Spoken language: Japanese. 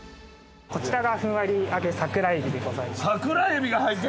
こちらがふんわり揚桜えびでございます。